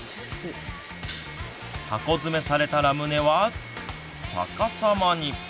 箱詰めされたラムネは逆さまに。